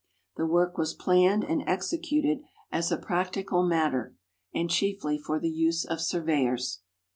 The work was planned and executed as a prac tical matter and chiefly for the use of surveyors.